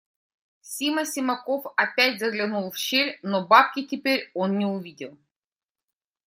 Сима Симаков опять заглянул в щель, но бабки теперь он не увидел.